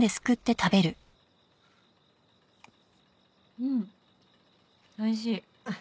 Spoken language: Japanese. うんおいしい。